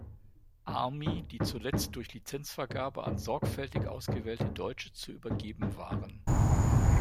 Army, die zuletzt durch Lizenzvergabe an sorgfältig ausgewählte Deutsche zu übergeben waren.